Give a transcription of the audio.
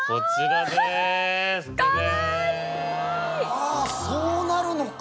あっそうなるのか。